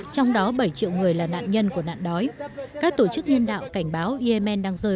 trong đó bảy triệu người là nạn nhân của nạn đói các tổ chức nhân đạo cảnh báo yemen đang rời